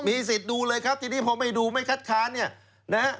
มีสิทธิ์ดูเลยครับทีนี้พอไม่ดูไม่คัดค้าน